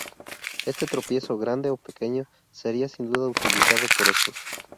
Este tropiezo, grande o pequeño, sería sin duda utilizado por estos.